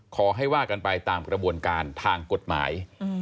ขอให้ว่ากันไปตามกระบวนการทางกฎหมาย